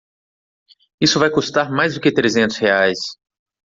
Isso vai custar mais do que trezentos reais.